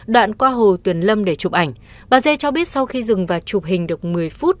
đoạn qua hồ tuyền lâm để chụp ảnh bà dê cho biết sau khi dừng và chụp hình được một mươi phút